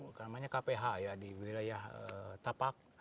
namanya kph ya di wilayah tapak